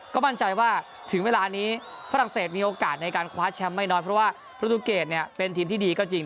ก็มั่นใจว่าถึงเวลานี้ฝรั่งเศสมีโอกาสในการคว้าแชมป์ไม่น้อยเพราะว่าประตูเกตเนี่ยเป็นทีมที่ดีก็จริง